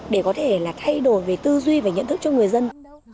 để có thể là thay đổi về tư duy và nhận thức cho người dân